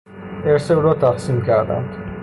ارث او را تقسیم کردند.